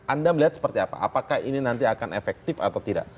anda melihat seperti apa apakah ini nanti akan efektif atau tidak